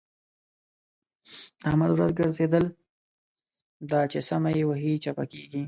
د احمد ورځ ګرځېدل ده؛ چې سمه يې وهي - چپه کېږي.